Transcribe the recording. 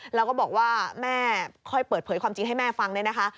แล้วก็บอกว่าแม่ค่อยเปิดเผยความจริงให้แม่ฟังเนี่ยนะคะ